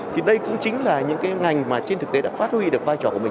thì đây cũng chính là những cái ngành mà trên thực tế đã phát huy được vai trò của mình